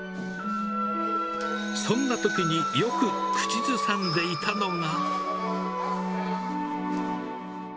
そんなときに、よく口ずさんでいたのが。